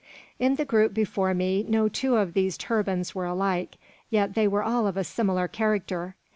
In the group before me no two of these turbans were alike, yet they were all of a similar character.